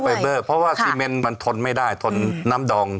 เบอร์เพราะว่าซีเมนมันทนไม่ได้ทนน้ำดอง